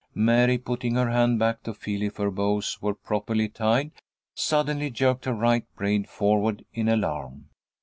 Mary, putting her hand back to feel if her bows were properly tied, suddenly jerked her right braid forward in alarm.